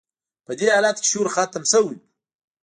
په دې حالت کې شعور ختم شوی و